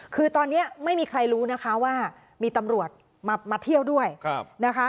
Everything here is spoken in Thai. คือตอนนี้ไม่มีใครรู้นะคะว่ามีตำรวจมาเที่ยวด้วยนะคะ